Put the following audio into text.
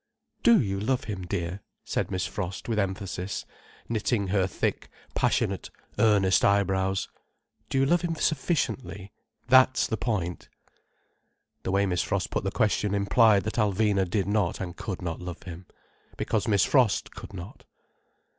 "Do you love him, dear?" said Miss Frost with emphasis, knitting her thick, passionate, earnest eyebrows. "Do you love him sufficiently? That's the point." The way Miss Frost put the question implied that Alvina did not and could not love him—because Miss Frost could not.